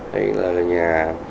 hay là nhà